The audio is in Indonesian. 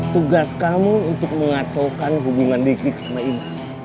tugas kamu untuk mengacaukan hubungan dik dik sama imas